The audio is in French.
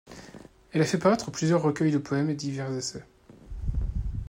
Elle a fait paraître plusieurs recueils de poèmes et divers essais.